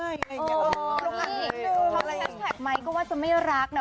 โอ้ยลูกค้านี้พอมีแทชแพคไหมก็ว่าจะไม่รักเนี่ย